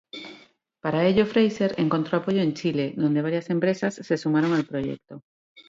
Para ello Frazer encontró apoyo en Chile, donde varias empresas se sumaron al proyecto.